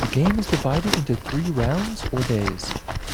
The game is divided into three rounds or "days".